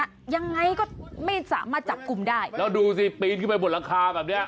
ยังไงก็ไม่สามารถจับกลุ่มได้แล้วดูสิปีนขึ้นไปบนหลังคาแบบเนี้ย